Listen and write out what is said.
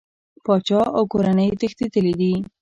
پاچا او کورنۍ تښتېدلي دي.